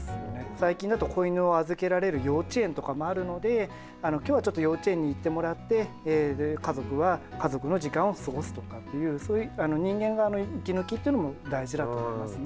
最近だと子犬を預けられる幼稚園とかもあるので今日はちょっと幼稚園に行ってもらって家族は家族の時間を過ごすとかっていうそういう人間側の息抜きっていうのも大事だと思いますね。